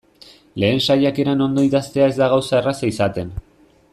Lehen saiakeran ondo idaztea ez da gauza erraza izaten.